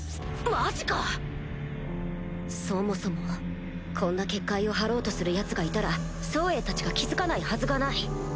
マジか⁉そもそもこんな結界を張ろうとするヤツがいたらソウエイたちが気付かないはずがない